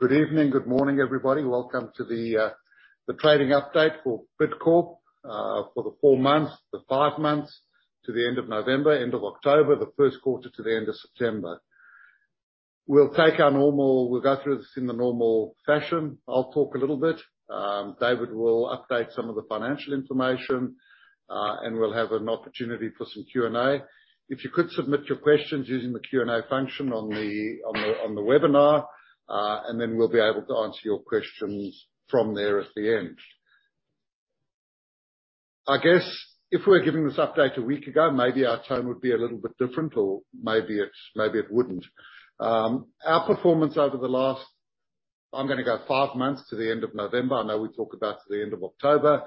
Good evening. Good morning, everybody. Welcome to the trading update for Bidcorp for the four months, the five months to the end of November, end of October, the first quarter to the end of September. We'll go through this in the normal fashion. I'll talk a little bit. David will update some of the financial information, and we'll have an opportunity for some Q&A. If you could submit your questions using the Q&A function on the webinar, and then we'll be able to answer your questions from there at the end. I guess if we were giving this update a week ago, maybe our tone would be a little bit different or maybe it wouldn't. Our performance over the last, I'm gonna go five months to the end of November, I know we talk about to the end of October,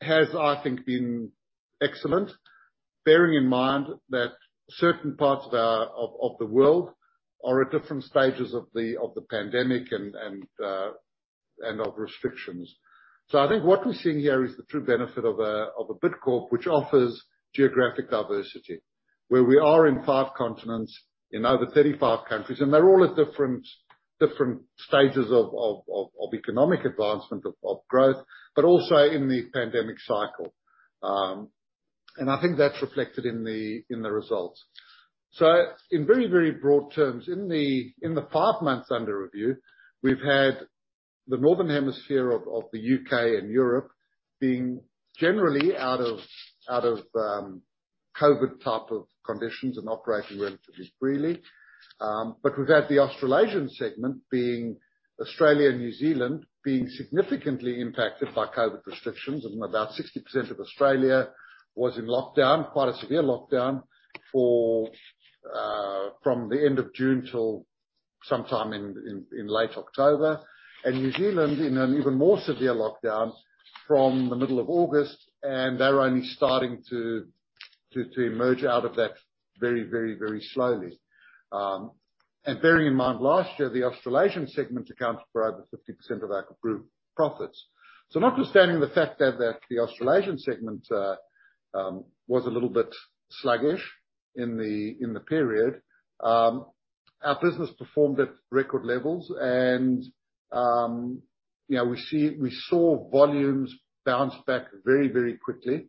has, I think been excellent. Bearing in mind that certain parts of the world are at different stages of the pandemic and of restrictions. I think what we're seeing here is the true benefit of a Bidcorp which offers geographic diversity, where we are in five continents, in over 35 countries, and they're all at different stages of economic advancement of growth, but also in the pandemic cycle. I think that's reflected in the results. In very broad terms, in the five months under review, we've had the northern hemisphere of the U.K. and Europe being generally out of COVID type of conditions and operating relatively freely. But we've had the Australasian segment being Australia and New Zealand, being significantly impacted by COVID restrictions. About 60% of Australia was in lockdown, quite a severe lockdown from the end of June till sometime in late October. New Zealand in an even more severe lockdown from the middle of August, and they're only starting to emerge out of that very, very, very slowly. Bearing in mind last year, the Australasian segment accounted for over 50% of our group profits. Notwithstanding the fact that the Australasian segment was a little bit sluggish in the period, our business performed at record levels and, you know, we saw volumes bounce back very, very quickly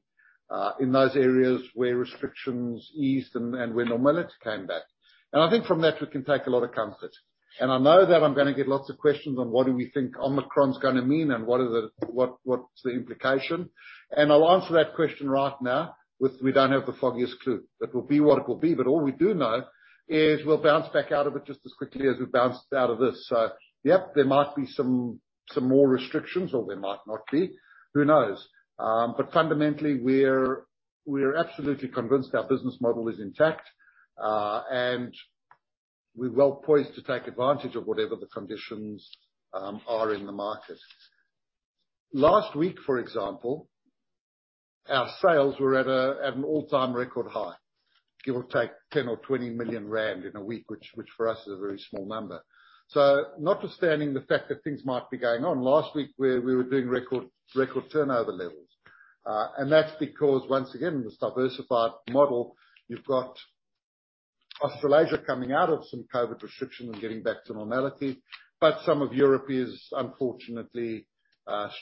in those areas where restrictions eased and where normality came back. I think from that we can take a lot of comfort. I know that I'm gonna get lots of questions on what do we think Omicron is gonna mean, and what's the implication? I'll answer that question right now with, we don't have the foggiest clue. It will be what it will be, but all we do know is we'll bounce back out of it just as quickly as we bounced out of this. Yep, there might be some more restrictions or there might not be, who knows? Fundamentally we're absolutely convinced our business model is intact, and we're well poised to take advantage of whatever the conditions are in the market. Last week, for example, our sales were at an all-time record high, give or take 10 million or 20 million rand in a week, which for us is a very small number. Notwithstanding the fact that things might be going on, last week we were doing record turnover levels. That's because once again, this diversified model, you've got Australasia coming out of some COVID restrictions and getting back to normality. Some of Europe is unfortunately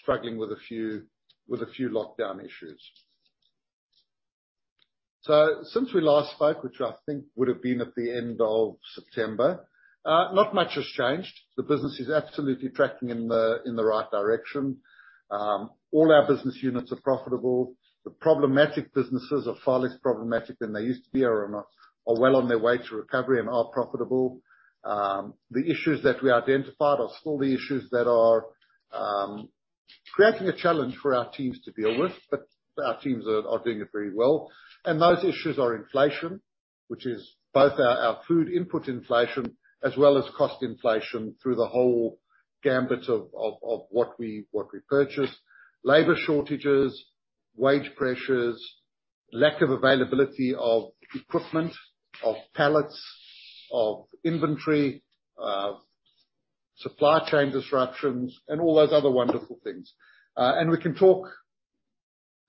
struggling with a few lockdown issues. Since we last spoke, which I think would've been at the end of September, not much has changed. The business is absolutely tracking in the right direction. All our business units are profitable. The problematic businesses are far less problematic than they used to be, are well on their way to recovery and are profitable. The issues that we identified are still the issues that are creating a challenge for our teams to deal with, but our teams are doing it very well. Those issues are inflation, which is both our food input inflation as well as cost inflation through the whole gamut of what we purchase. Labor shortages, wage pressures, lack of availability of equipment, of pallets, of inventory, supply chain disruptions and all those other wonderful things. We can talk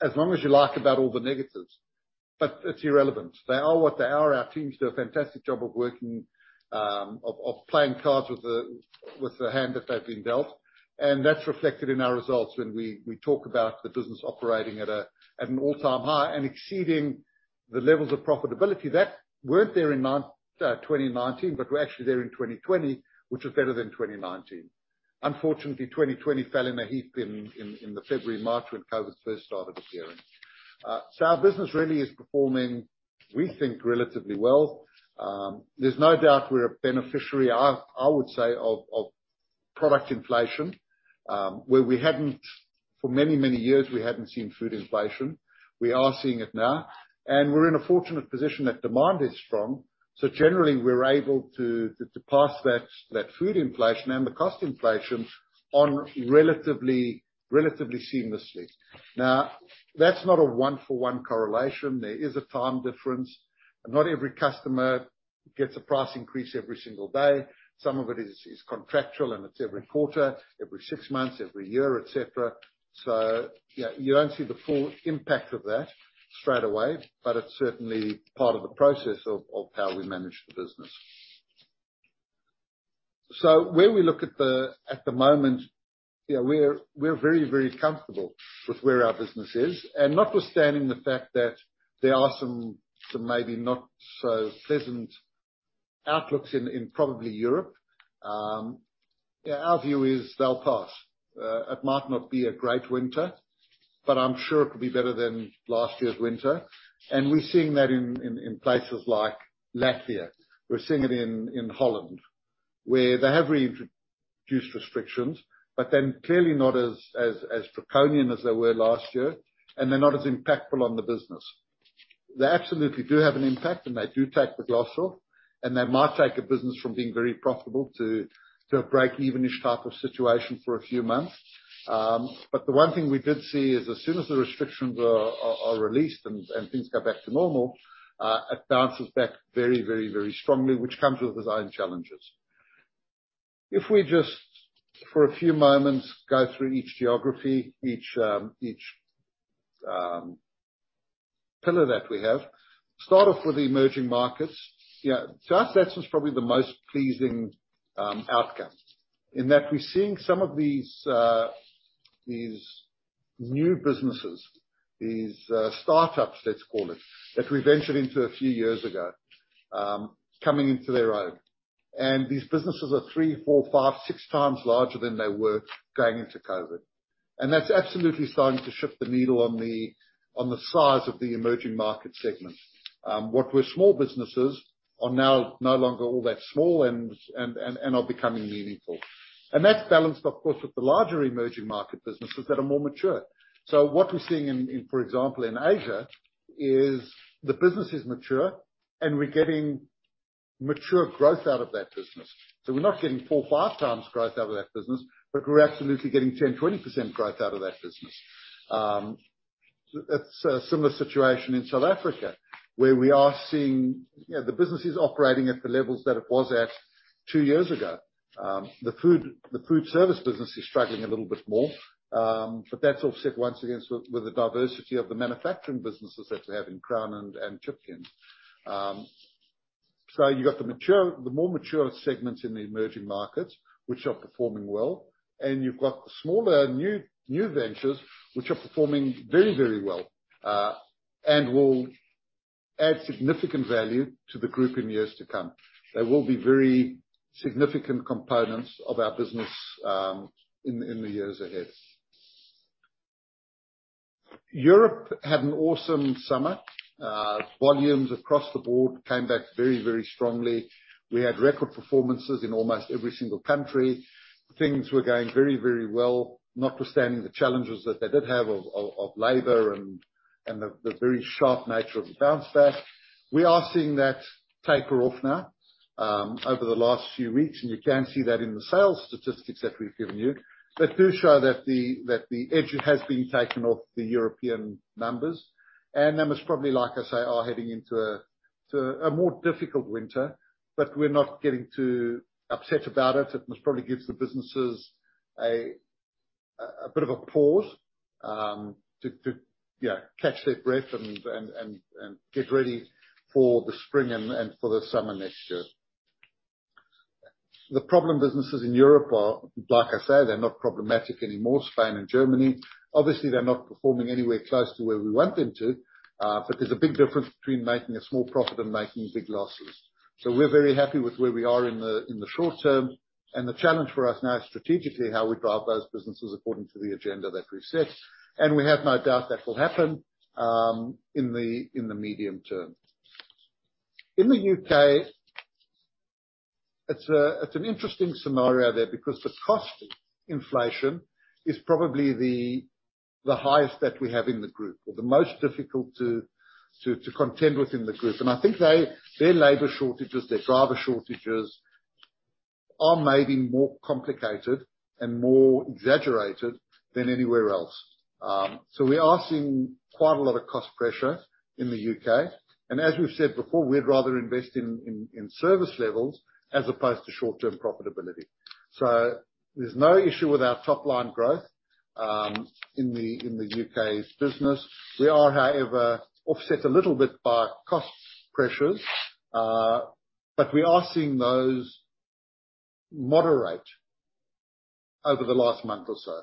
as long as you like about all the negatives. It's irrelevant. They are what they are. Our teams do a fantastic job of playing cards with the hand that they've been dealt, and that's reflected in our results when we talk about the business operating at an all-time high and exceeding the levels of profitability that weren't there in 2019, but were actually there in 2020, which was better than 2019. Unfortunately, 2020 fell in a heap in February, March when COVID first started appearing. Our business really is performing, we think, relatively well. There's no doubt we're a beneficiary, I would say, of product inflation, where we hadn't seen food inflation for many years. We are seeing it now, and we're in a fortunate position that demand is strong. Generally we're able to to pass that food inflation and the cost inflation on relatively seamlessly. Now, that's not a one for one correlation. There is a time difference. Not every customer gets a price increase every single day. Some of it is contractual and it's every quarter, every six months, every year, et cetera. Yeah, you don't see the full impact of that straight away, but it's certainly part of the process of how we manage the business. Where we look at the moment, you know, we're very comfortable with where our business is. Notwithstanding the fact that there are some maybe not so pleasant outlooks in probably Europe, our view is they'll pass. It might not be a great winter, but I'm sure it will be better than last year's winter. We're seeing that in places like Latvia. We're seeing it in Holland, where they have reintroduced restrictions, but they're clearly not as draconian as they were last year, and they're not as impactful on the business. They absolutely do have an impact, and they do take the gloss off, and they might take a business from being very profitable to a break-even-ish type of situation for a few months. But the one thing we did see is as soon as the restrictions are released and things go back to normal, it bounces back very strongly, which comes with its own challenges. If we just, for a few moments, go through each geography, each pillar that we have. Start off with the emerging markets. You know, to us, that was probably the most pleasing outcome in that we're seeing some of these new businesses, startups, let's call it, that we ventured into a few years ago, coming into their own. These businesses are 3x, 4x, 5x, 6x larger than they were going into COVID. That's absolutely starting to shift the needle on the size of the emerging market segment. What were small businesses are now no longer all that small and are becoming meaningful. That's balanced, of course, with the larger emerging market businesses that are more mature. What we're seeing in, for example, in Asia, is the business mature, and we're getting mature growth out of that business. We're not getting 4x-5x growth out of that business, but we're absolutely getting 10%-20% growth out of that business. It's a similar situation in South Africa, where we are seeing you know, the business is operating at the levels that it was at two years ago. The food service business is struggling a little bit more, but that's offset once again with the diversity of the manufacturing businesses that they have in Crown and Chipkins. You've got the more mature segments in the emerging markets, which are performing well, and you've got the smaller new ventures which are performing very, very well, and will add significant value to the group in years to come. They will be very significant components of our business in the years ahead. Europe had an awesome summer. Volumes across the board came back very, very strongly. We had record performances in almost every single country. Things were going very, very well, notwithstanding the challenges that they did have of labor and the very sharp nature of the bounce back. We are seeing that taper off now over the last few weeks, and you can see that in the sales statistics that we've given you. They do show that the edge has been taken off the European numbers. Then there's probably, like I say, heading into a more difficult winter, but we're not getting too upset about it. It probably gives the businesses a bit of a pause to, you know, catch their breath and get ready for the spring and for the summer next year. The problem businesses in Europe are, like I said, they're not problematic anymore, Spain and Germany. Obviously, they're not performing anywhere close to where we want them to, but there's a big difference between making a small profit and making big losses. We're very happy with where we are in the short term. The challenge for us now strategically, how we drive those businesses according to the agenda that we've set. We have no doubt that will happen in the medium term. In the U.K., it's an interesting scenario there because the cost inflation is probably the highest that we have in the group or the most difficult to contend with in the group. I think their labor shortages, their driver shortages are maybe more complicated and more exaggerated than anywhere else. We are seeing quite a lot of cost pressure in the U.K. As we've said before, we'd rather invest in service levels as opposed to short-term profitability. There's no issue with our top-line growth in the U.K.'s business. We are, however, offset a little bit by cost pressures, but we are seeing those moderate over the last month or so.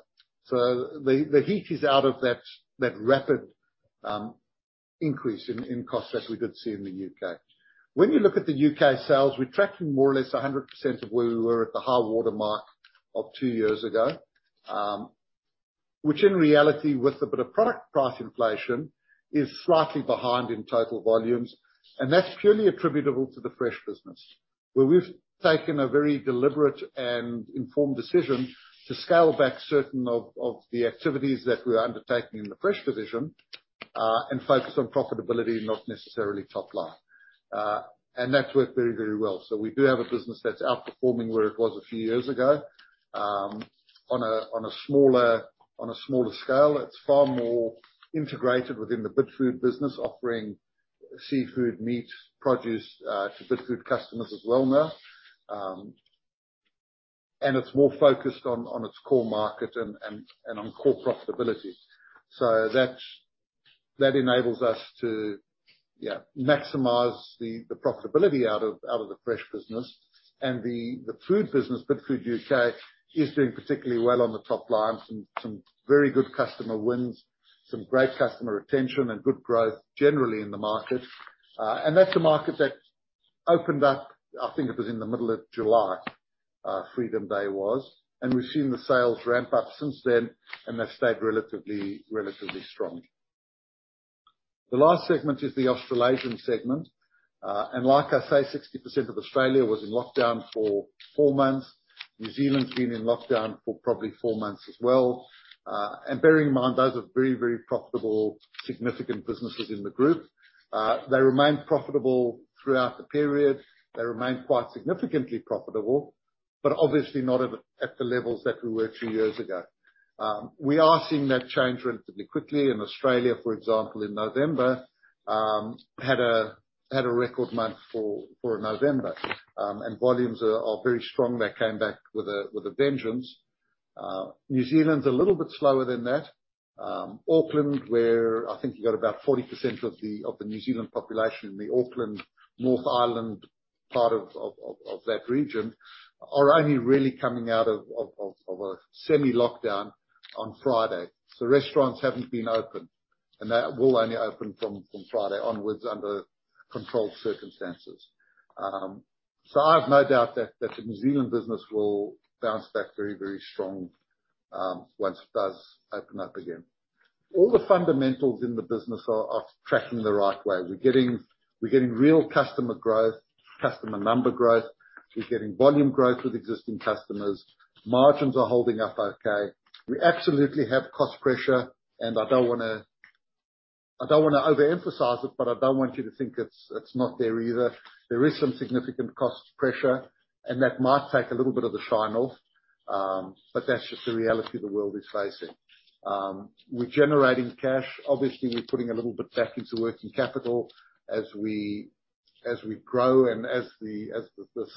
The heat is out of that rapid increase in costs as we could see in the U.K. When you look at the U.K. sales, we're tracking more or less 100% of where we were at the high-water mark of two years ago, which in reality, with a bit of product price inflation, is slightly behind in total volumes, and that's purely attributable to the fresh business, where we've taken a very deliberate and informed decision to scale back certain of the activities that we are undertaking in the fresh division and focus on profitability, not necessarily top line. That's worked very well. We do have a business that's outperforming where it was a few years ago, on a smaller scale. It's far more integrated within the Bidfood business, offering seafood, meat, produce, to Bidfood customers as well now. It's more focused on its core market and on core profitability. That enables us to maximize the profitability out of the fresh business. The food business, Bidfood U.K., is doing particularly well on the top line. Some very good customer wins, some great customer retention, and good growth generally in the market. That's a market that opened up, I think it was in the middle of July, Freedom Day was, and we've seen the sales ramp up since then, and they've stayed relatively strong. The last segment is the Australasian segment. Like I say, 60% of Australia was in lockdown for four months. New Zealand's been in lockdown for probably four months as well. Bearing in mind, those are very, very profitable, significant businesses in the group. They remained profitable throughout the period. They remained quite significantly profitable, but obviously not at the levels that we were two years ago. We are seeing that change relatively quickly. In Australia, for example, in November, had a record month for November. Volumes are very strong. They came back with a vengeance. New Zealand's a little bit slower than that. Auckland, where I think you got about 40% of the New Zealand population in the Auckland, North Island part of that region, are only really coming out of a semi-lockdown on Friday. Restaurants haven't been open, and they will only open from Friday onwards under controlled circumstances. I have no doubt that the New Zealand business will bounce back very strong once it does open up again. All the fundamentals in the business are tracking the right way. We're getting real customer growth, customer number growth. We're getting volume growth with existing customers. Margins are holding up okay. We absolutely have cost pressure, and I don't wanna overemphasize it, but I don't want you to think it's not there either. There is some significant cost pressure, and that might take a little bit of the shine off, but that's just the reality the world is facing. We're generating cash. Obviously, we're putting a little bit back into working capital as we grow and as the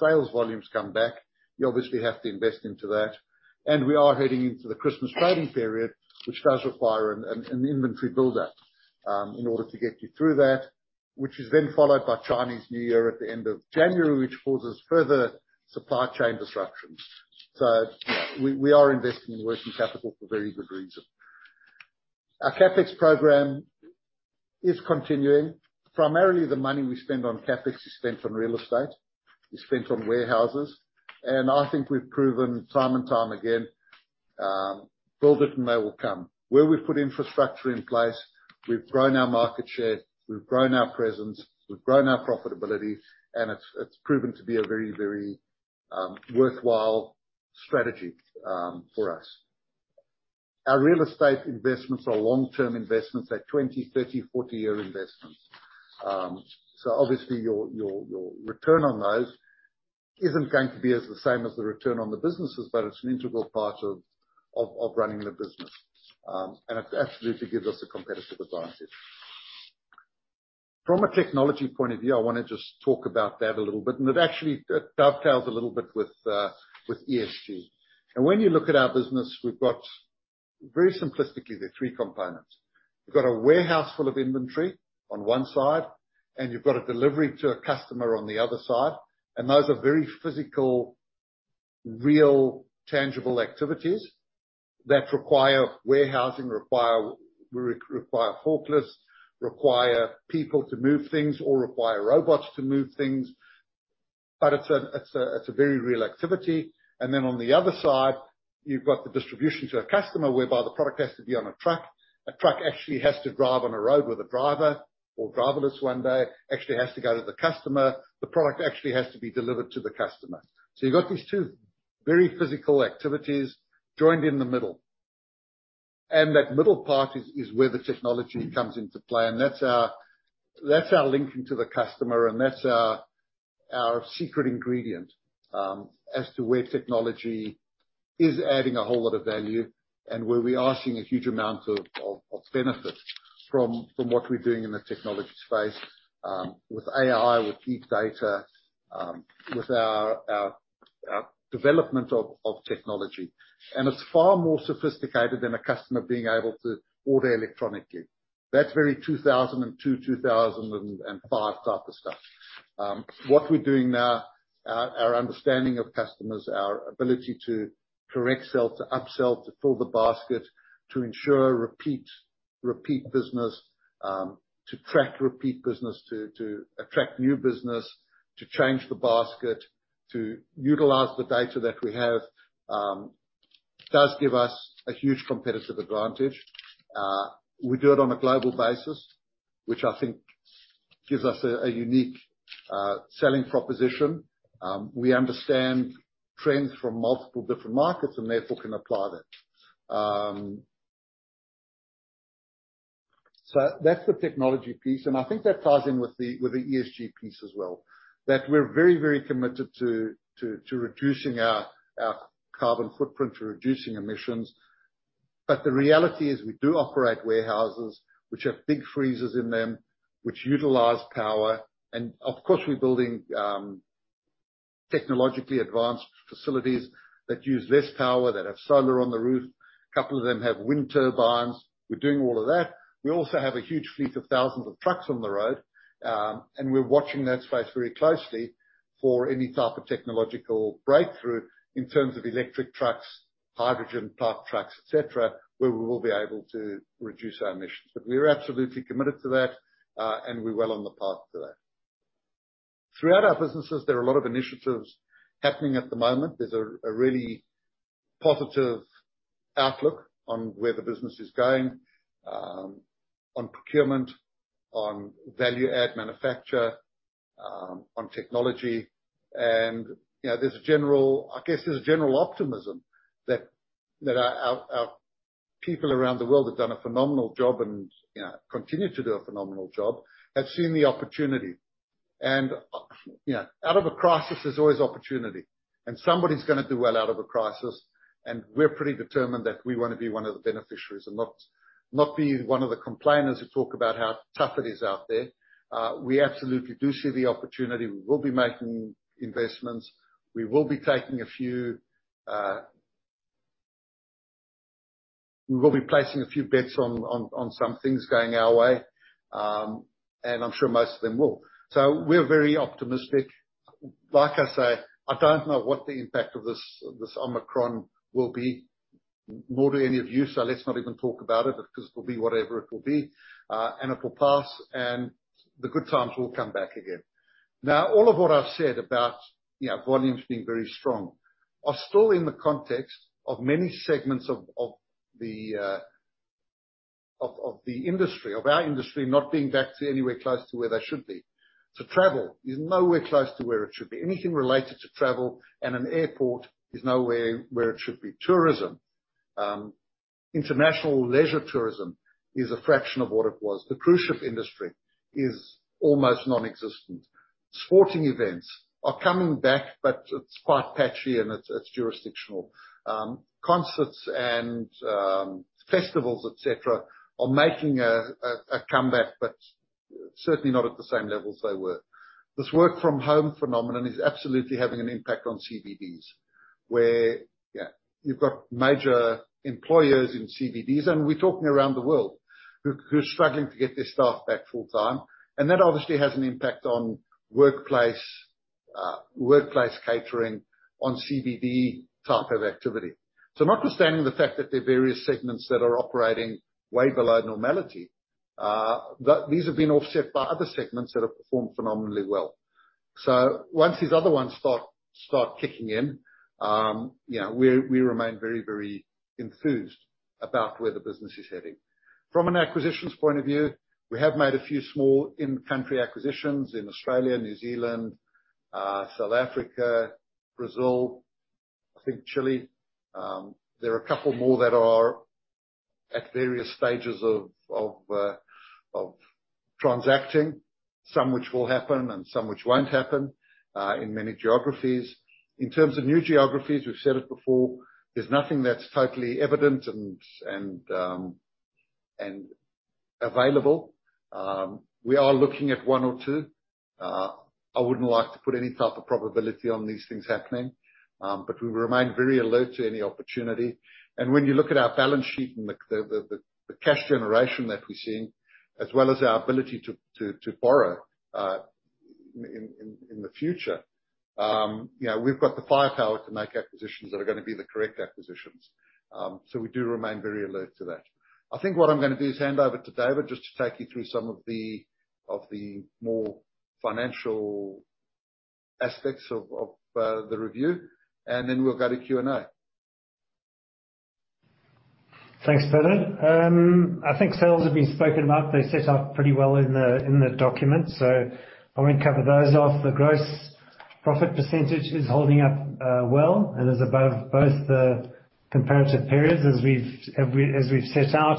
sales volumes come back. You obviously have to invest into that. We are heading into the Christmas trading period, which does require an inventory buildup in order to get you through that, which is then followed by Chinese New Year at the end of January, which causes further supply chain disruptions. Yeah, we are investing in working capital for very good reason. Our CapEx program is continuing. Primarily, the money we spend on CapEx is spent on real estate, is spent on warehouses. I think we've proven time and time again, build it and they will come. Where we've put infrastructure in place, we've grown our market share, we've grown our presence, we've grown our profitability, and it's proven to be a very worthwhile strategy for us. Our real estate investments are long-term investments. They're 20, 30, 40 year investments. So obviously your return on those isn't going to be quite the same as the return on the businesses, but it's an integral part of running the business. It absolutely gives us a competitive advantage. From a technology point of view, I wanna just talk about that a little bit, and it actually dovetails a little bit with ESG. When you look at our business, very simplistically, there are three components. We've got a warehouse full of inventory on one side, and you've got a delivery to a customer on the other side, and those are very physical, real, tangible activities that require warehousing, require forklifts, require people to move things or require robots to move things. But it's a very real activity. On the other side, you've got the distribution to a customer, whereby the product has to be on a truck. A truck actually has to drive on a road with a driver, or driverless one day. Actually has to go to the customer. The product actually has to be delivered to the customer. You've got these two very physical activities joined in the middle. That middle part is where the technology comes into play, and that's our linking to the customer and that's our secret ingredient, as to where technology is adding a whole lot of value and where we are seeing a huge amount of benefit from what we're doing in the technology space, with AI, with big data, with our development of technology. It's far more sophisticated than a customer being able to order electronically. That's very 2002, 2005 type of stuff. What we're doing now, our understanding of customers, our ability to cross-sell, to upsell, to fill the basket, to ensure repeat business, to track repeat business, to attract new business, to change the basket, to utilize the data that we have, does give us a huge competitive advantage. We do it on a global basis, which I think gives us a unique selling proposition. We understand trends from multiple different markets and therefore can apply that. That's the technology piece, and I think that ties in with the ESG piece as well, that we're very committed to reducing our carbon footprint, to reducing emissions. The reality is we do operate warehouses which have big freezers in them, which utilize power. Of course, we're building technologically advanced facilities that use less power, that have solar on the roof. A couple of them have wind turbines. We're doing all of that. We also have a huge fleet of thousands of trucks on the road, and we're watching that space very closely for any type of technological breakthrough in terms of electric trucks, hydrogen powered trucks, et cetera, where we will be able to reduce our emissions. But we're absolutely committed to that, and we're well on the path to that. Throughout our businesses, there are a lot of initiatives happening at the moment. There's a really positive outlook on where the business is going, on procurement, on value add manufacture, on technology. You know, there's a general... I guess there's general optimism that our people around the world have done a phenomenal job and, you know, continue to do a phenomenal job, have seen the opportunity. You know, out of a crisis, there's always opportunity, and somebody's gonna do well out of a crisis, and we're pretty determined that we wanna be one of the beneficiaries and not be one of the complainers who talk about how tough it is out there. We absolutely do see the opportunity. We will be making investments. We will be placing a few bets on some things going our way, and I'm sure most of them will. We're very optimistic. Like I say, I don't know what the impact of this Omicron will be, nor do any of you, so let's not even talk about it because it will be whatever it will be, and it will pass, and the good times will come back again. Now, all of what I've said about, you know, volumes being very strong are still in the context of many segments of our industry not being back to anywhere close to where they should be. Travel is nowhere close to where it should be. Anything related to travel and an airport is nowhere near where it should be. Tourism, international leisure tourism is a fraction of what it was. The cruise ship industry is almost nonexistent. Sporting events are coming back, but it's quite patchy, and it's jurisdictional. Concerts and festivals, et cetera, are making a comeback, but certainly not at the same levels they were. This work from home phenomenon is absolutely having an impact on CBDs, where, you know, you've got major employers in CBDs, and we're talking around the world, who are struggling to get their staff back full time. That obviously has an impact on workplace catering on CBD type of activity. Notwithstanding the fact that there are various segments that are operating way below normality, that these have been offset by other segments that have performed phenomenally well. Once these other ones start kicking in, you know, we remain very, very enthused about where the business is heading. From an acquisitions point of view, we have made a few small in-country acquisitions in Australia, New Zealand, South Africa, Brazil, I think Chile. There are a couple more that are at various stages of transacting, some which will happen and some which won't happen in many geographies. In terms of new geographies, we've said it before, there's nothing that's totally evident and available. We are looking at one or two. I wouldn't like to put any type of probability on these things happening, but we remain very alert to any opportunity. When you look at our balance sheet and the cash generation that we're seeing, as well as our ability to borrow in the future, you know, we've got the firepower to make acquisitions that are gonna be the correct acquisitions. We do remain very alert to that. I think what I'm gonna do is hand over to David just to take you through some of the more financial aspects of the review, and then we'll go to Q&A. Thanks, Bernard. I think sales have been spoken about. They're set out pretty well in the document, so I won't cover those off. The gross profit percentage is holding up well and is above both the comparative periods as we've set out.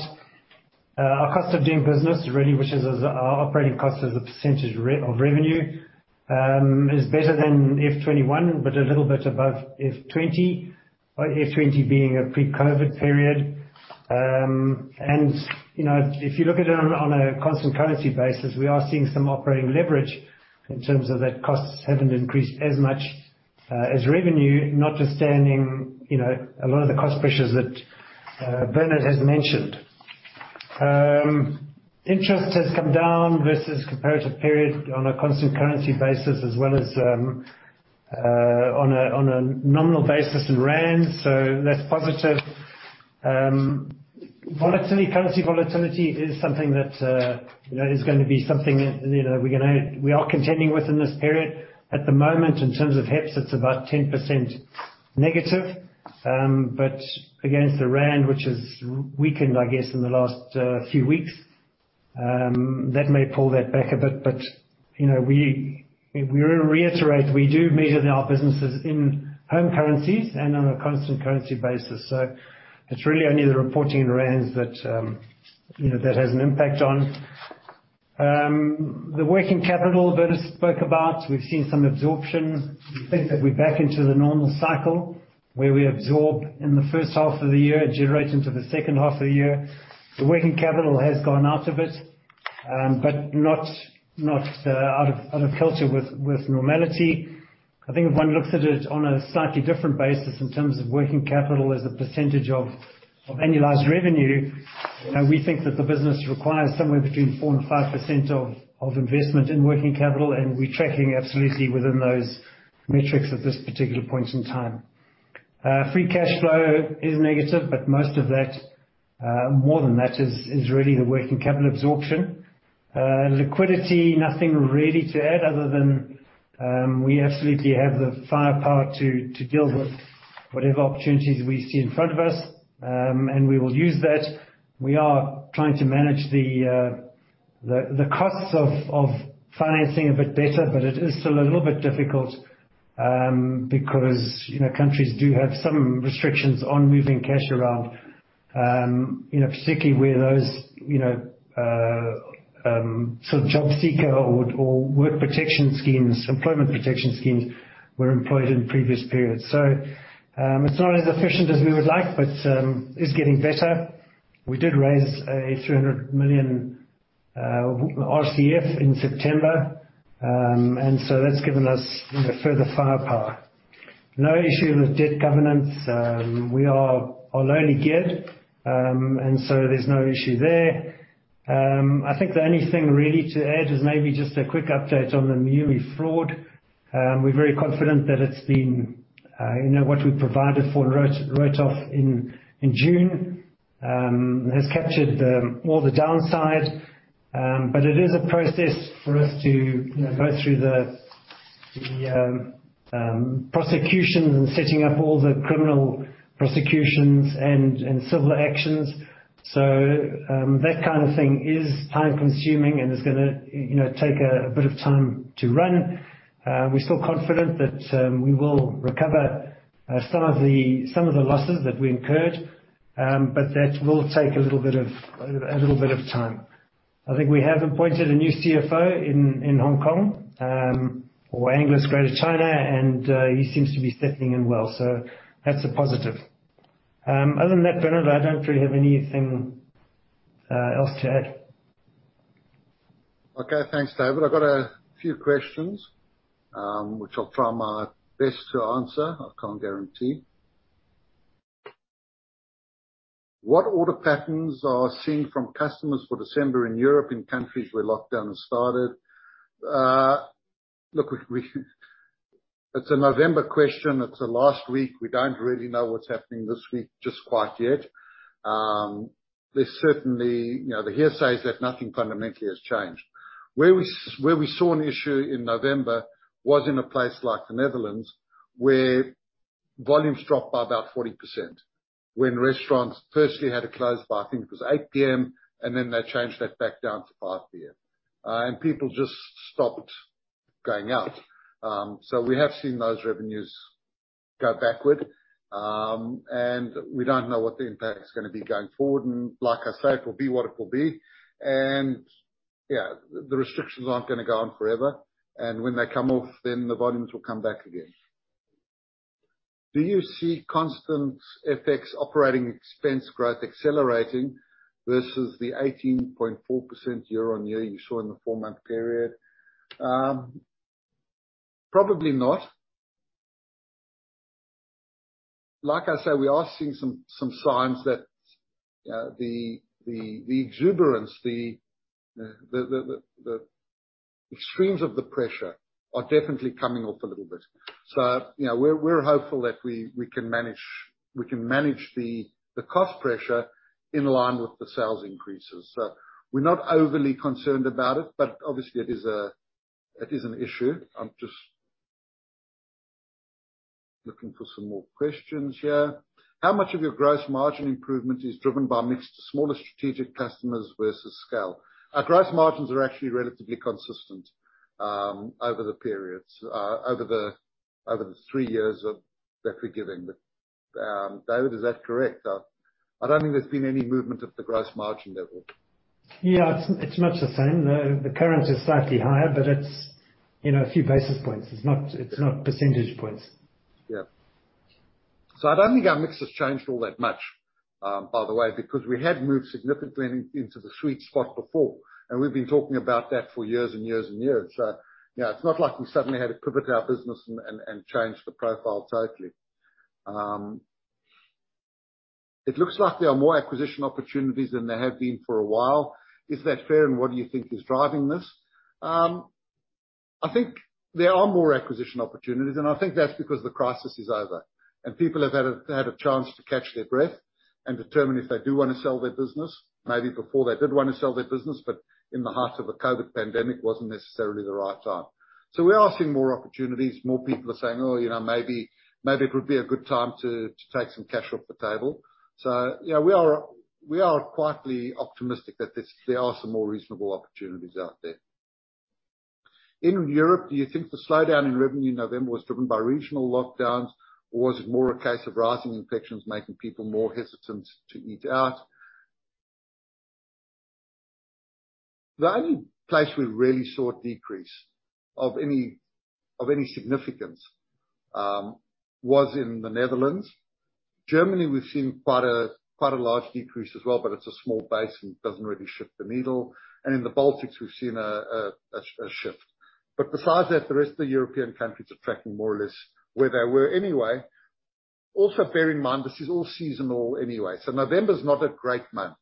Our cost of doing business really, which is our operating cost as a percentage of revenue, is better than FY 2021 but a little bit above FY 2020, FY 2020 being a pre-COVID period. You know, if you look at it on a constant currency basis, we are seeing some operating leverage in terms of that costs haven't increased as much as revenue, notwithstanding, you know, a lot of the cost pressures that Bernard has mentioned. Interest has come down versus comparative period on a constant currency basis as well as on a nominal basis in rand. That's positive. Currency volatility is something that, you know, we are contending with in this period. At the moment, in terms of HEPS, it's about -10%. Against the rand, which has weakened, I guess, in the last few weeks, that may pull that back a bit. You know, we reiterate we do measure our businesses in home currencies and on a constant currency basis. It's really only the reporting in rands that, you know, has an impact on the working capital Bernard spoke about. We've seen some absorption. We think that we're back into the normal cycle, where we absorb in the first half of the year and generate into the second half of the year. The working capital has gone out a bit, but not out of kilter with normality. I think if one looks at it on a slightly different basis in terms of working capital as a percentage of annualized revenue, we think that the business requires somewhere between 4% and 5% of investment in working capital, and we're tracking absolutely within those metrics at this particular point in time. Free cash flow is negative, but most of that, more than that is really the working capital absorption. Liquidity, nothing really to add other than we absolutely have the firepower to deal with whatever opportunities we see in front of us, and we will use that. We are trying to manage the costs of financing a bit better, but it is still a little bit difficult because you know, countries do have some restrictions on moving cash around. You know, particularly where those you know, sort of JobKeeper or work protection schemes, employment protection schemes were employed in previous periods. It's not as efficient as we would like, but it's getting better. We did raise a 300 million RCF in September. That's given us you know, further firepower. No issue with debt covenants. We are on plan again, and so there's no issue there. I think the only thing really to add is maybe just a quick update on the Miumi fraud. We're very confident that it's been, you know, what we provided for, wrote off in June has captured all the downsides. It is a process for us to, you know, go through the prosecution and setting up all the criminal prosecutions and civil actions. That kind of thing is time-consuming, and it's gonna, you know, take a bit of time to run. We're still confident that we will recover some of the losses that we incurred, but that will take a little bit of time. I think we have appointed a new CFO in Hong Kong or Angliss Greater China, and he seems to be settling in well. That's a positive. Other than that, Bernard, I don't really have anything else to add. Okay. Thanks, David. I've got a few questions, which I'll try my best to answer. I can't guarantee. What order patterns are seen from customers for December in Europe, in countries where lockdown has started? It's a November question. It's the last week. We don't really know what's happening this week just quite yet. There's certainly, you know, the hearsay is that nothing fundamentally has changed. Where we saw an issue in November was in a place like the Netherlands, where volumes dropped by about 40% when restaurants firstly had to close by, I think it was 8:00 P.M., and then they changed that back down to 5:00 P.M. People just stopped going out. We have seen those revenues go backward, and we don't know what the impact is gonna be going forward. Like I say, it will be what it will be. Yeah, the restrictions aren't gonna go on forever. When they come off, then the volumes will come back again. Do you see constant FX operating expense growth accelerating versus the 18.4% year-on-year you saw in the four-month period? Probably not. Like I say, we are seeing some signs that the exuberance, the extremes of the pressure are definitely coming off a little bit. You know, we're hopeful that we can manage the cost pressure in line with the sales increases. We're not overly concerned about it, but obviously it is an issue. I'm just looking for some more questions here. How much of your gross margin improvement is driven by mixed smaller strategic customers versus scale? Our gross margins are actually relatively consistent over the periods over the three years that we're giving. David, is that correct? I don't think there's been any movement at the gross margin level. Yeah. It's much the same. The current is slightly higher, but it's, you know, a few basis points. It's not percentage points. Yeah. I don't think our mix has changed all that much, by the way, because we had moved significantly in, into the sweet spot before, and we've been talking about that for years and years and years. Yeah, it's not like we suddenly had to pivot our business and change the profile totally. It looks like there are more acquisition opportunities than there have been for a while. Is that fair, and what do you think is driving this? I think there are more acquisition opportunities, and I think that's because the crisis is over and people have had a chance to catch their breath and determine if they do wanna sell their business. Maybe before they did wanna sell their business, but in the heart of the COVID pandemic wasn't necessarily the right time. We are seeing more opportunities. More people are saying, "Oh, you know, maybe it would be a good time to take some cash off the table." Yeah, we are quietly optimistic that there are some more reasonable opportunities out there. In Europe, do you think the slowdown in revenue in November was driven by regional lockdowns, or was it more a case of rising infections making people more hesitant to eat out? The only place we really saw a decrease of any significance was in the Netherlands. Germany, we've seen quite a large decrease as well, but it's a small base and it doesn't really shift the needle. In the Baltics, we've seen a shift. Besides that, the rest of the European countries are tracking more or less where they were anyway. Also bear in mind, this is all seasonal anyway. November is not a great month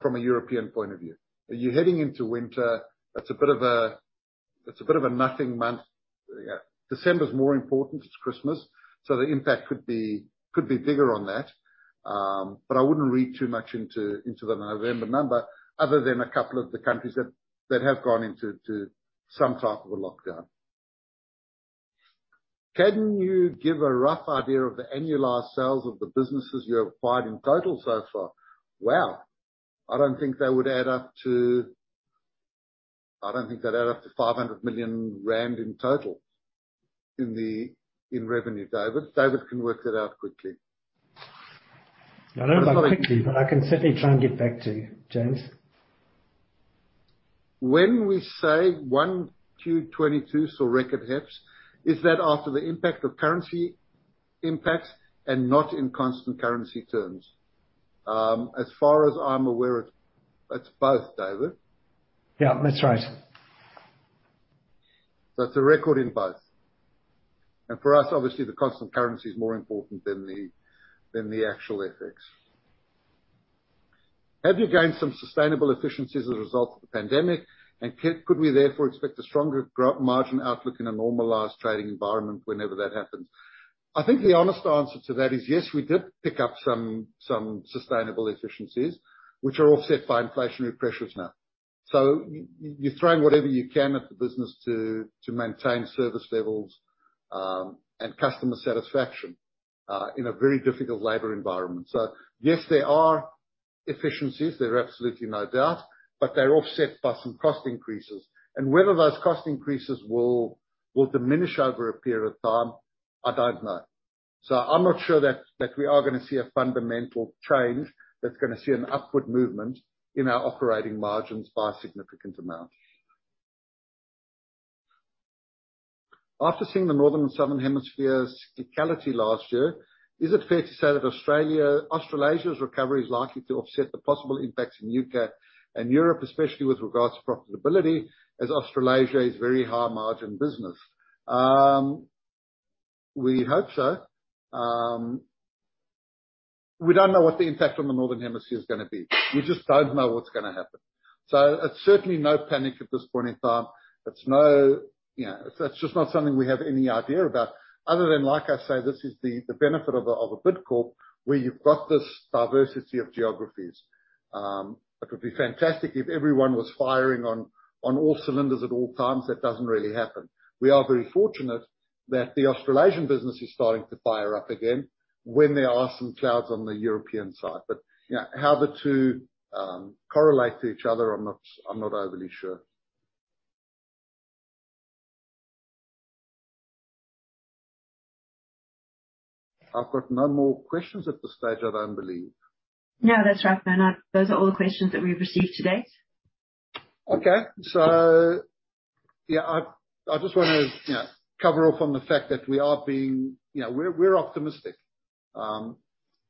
from a European point of view. You're heading into winter. It's a bit of a nothing month. December is more important, it's Christmas, so the impact could be bigger on that. But I wouldn't read too much into the November number other than a couple of the countries that have gone into some type of a lockdown. Can you give a rough idea of the annualized sales of the businesses you have acquired in total so far? Wow. I don't think they'd add up to 500 million rand in total in revenue. David? David can work that out quickly. I don't know about quickly, but I can certainly try and get back to you, James. When we say 2021-2022 saw record HEPS, is that after the impact of currency impacts and not in constant currency terms? As far as I'm aware, it's both, David. Yeah, that's right. It's a record in both. For us, obviously, the constant currency is more important than the actual FX. Have you gained some sustainable efficiencies as a result of the pandemic, and could we therefore expect a stronger margin outlook in a normalized trading environment whenever that happens? I think the honest answer to that is yes, we did pick up some sustainable efficiencies which are offset by inflationary pressures now. You're throwing whatever you can at the business to maintain service levels and customer satisfaction in a very difficult labor environment. Yes, there are efficiencies, there are absolutely no doubt, but they're offset by some cost increases. Whether those cost increases will diminish over a period of time, I don't know. I'm not sure that we are gonna see a fundamental change that's gonna see an upward movement in our operating margins by a significant amount. After seeing the Northern and Southern Hemispheres' cyclicality last year, is it fair to say that Australasia's recovery is likely to offset the possible impacts in U.K. and Europe, especially with regards to profitability, as Australasia is very high margin business? We hope so. We don't know what the impact on the Northern Hemisphere is gonna be. We just don't know what's gonna happen. It's certainly no panic at this point in time. You know, it's just not something we have any idea about other than, like I say, this is the benefit of a Bidcorp, where you've got this diversity of geographies. It would be fantastic if everyone was firing on all cylinders at all times. That doesn't really happen. We are very fortunate that the Australasian business is starting to fire up again when there are some clouds on the European side. But, you know, how the two correlate to each other, I'm not overly sure. I've got no more questions at this stage, I don't believe. No, that's right, Bernard. Those are all the questions that we've received today. Yeah, I just wanna, you know, cover off on the fact that we are optimistic.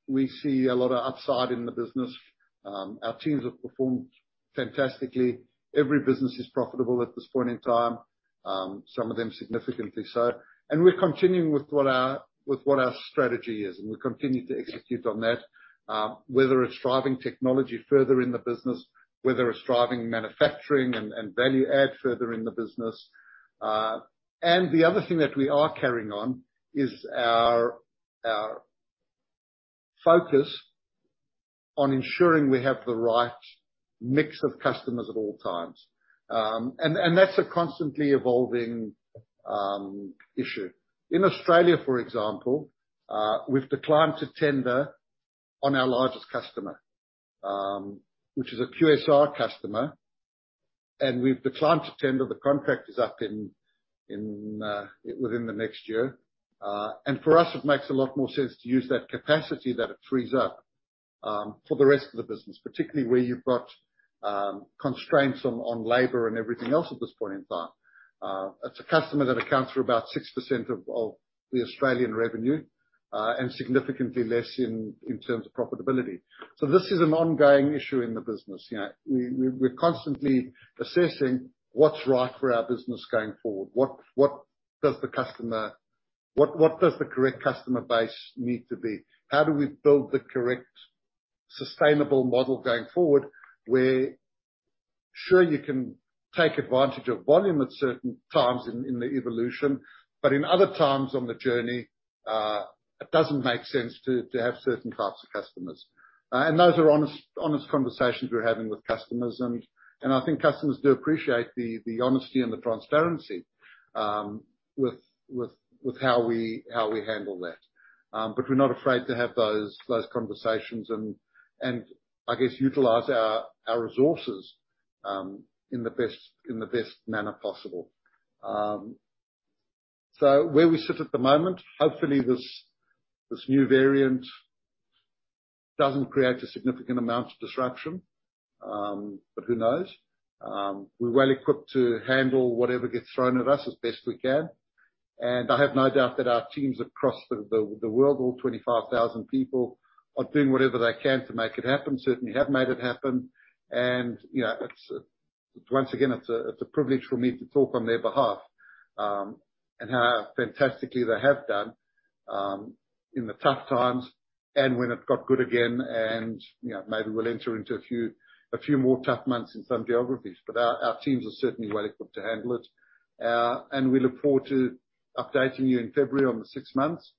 We see a lot of upside in the business. Our teams have performed fantastically. Every business is profitable at this point in time, some of them significantly so. We're continuing with what our strategy is, and we continue to execute on that, whether it's driving technology further in the business, whether it's driving manufacturing and value add further in the business. The other thing that we are carrying on is our focus on ensuring we have the right mix of customers at all times. That's a constantly evolving issue. In Australia, for example, we've declined to tender on our largest customer, which is a QSR customer, and we've declined to tender. The contract is up within the next year. For us, it makes a lot more sense to use that capacity that it frees up for the rest of the business, particularly where you've got constraints on labor and everything else at this point in time. It's a customer that accounts for about 6% of the Australian revenue, and significantly less in terms of profitability. This is an ongoing issue in the business. You know, we're constantly assessing what's right for our business going forward. What does the customer. What does the correct customer base need to be? How do we build the correct sustainable model going forward, where sure, you can take advantage of volume at certain times in the evolution, but in other times on the journey, it doesn't make sense to have certain types of customers. Those are honest conversations we're having with customers and I think customers do appreciate the honesty and the transparency with how we handle that. We're not afraid to have those conversations and I guess utilize our resources in the best manner possible. Where we sit at the moment, hopefully this new variant doesn't create a significant amount of disruption, but who knows? We're well-equipped to handle whatever gets thrown at us as best we can. I have no doubt that our teams across the world, all 25,000 people, are doing whatever they can to make it happen, certainly have made it happen. You know, it's once again a privilege for me to talk on their behalf and how fantastically they have done in the tough times and when it got good again. Maybe we'll enter into a few more tough months in some geographies. Our teams are certainly well-equipped to handle it. We look forward to updating you in February on the six months.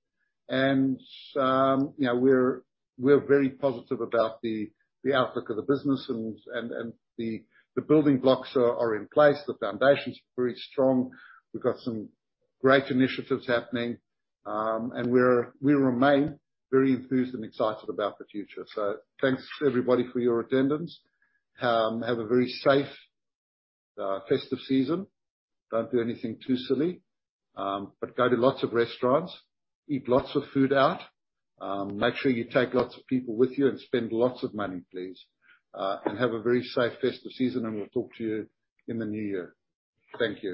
You know, we're very positive about the outlook of the business and the building blocks are in place. The foundation is very strong. We've got some great initiatives happening. We remain very enthused and excited about the future. Thanks everybody for your attendance. Have a very safe festive season. Don't do anything too silly, but go to lots of restaurants, eat lots of food out. Make sure you take lots of people with you and spend lots of money, please. Have a very safe festive season, and we'll talk to you in the new year. Thank you.